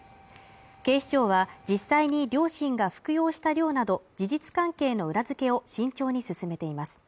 警視庁は実際に両親が服用した量など、事実関係の裏付けを慎重に進めています。